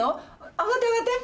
上がって上がって。